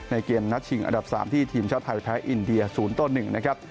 เกมนัดชิงอันดับ๓ที่ทีมชาติไทยแพ้อินเดีย๐ต่อ๑นะครับ